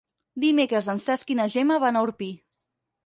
Dimecres en Cesc i na Gemma van a Orpí.